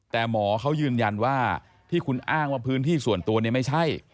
แต่หมอเขายืนยันว่าที่คุณอ้างว่าพื้นที่ส่วนตัวเนี่ยไม่ใช่